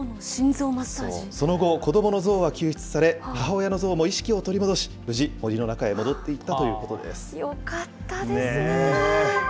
その後、子どもの象は救出され、母親の象も意識を取り戻し、無事、森の中へ戻っていったということです。